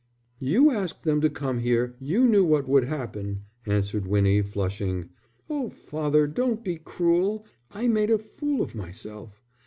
"You asked them to come here, you knew what would happen," answered Winnie, flushing. "Oh, father, don't be cruel. I made a fool of myself.